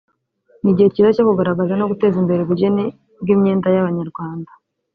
ni igihe cyiza cyo kugaragaza no guteza imbere ubugeni bw’imyenda y’Abanyarwanda